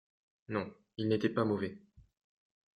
Non, il n'était pas mauvais.